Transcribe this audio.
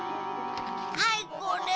はいこれ。